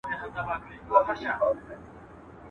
چي غول خورې د پلو خوره دا خوره.